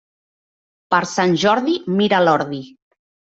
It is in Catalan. Per Sant Jordi, mira l'ordi.